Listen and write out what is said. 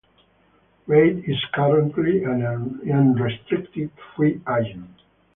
Reid is currently an unrestricted free agent.